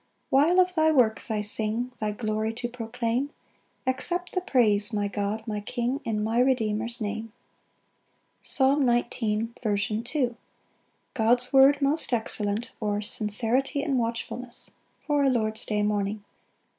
8 While of thy works I sing, Thy glory to proclaim, Accept the praise, my God, my King, In my Redeemer's name.] Psalm 19:2. Second Part. S. M. God's word most excellent; or, Sincerity and watchfulness. For a Lord's day morning.